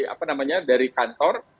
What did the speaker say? apa namanya dari kantor